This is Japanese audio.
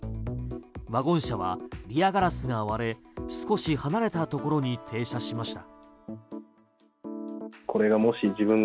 ワゴン車はリアガラスが割れ少し離れたところに停車しました。